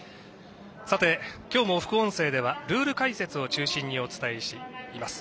今日も副音声ではルール解説を中心にお伝えしております。